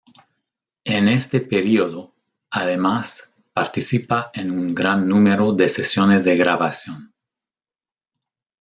En este período, además, participa en un gran número de sesiones de grabación.